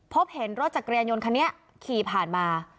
พบเห็นรถจักรยานยนต์คันนี้ขี่ผ่านมา